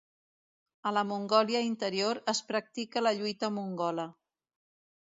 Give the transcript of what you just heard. A la Mongòlia Interior es practica la lluita mongola.